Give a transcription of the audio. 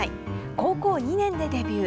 高校２年でデビュー。